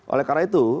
oleh karena itu